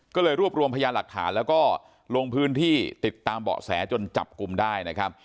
ก็เลยรวบรวมพยานหลักฐานแล้วก็ลงพื้นที่ติดตามเบาะแสจนจับกลุ่มได้นะครับ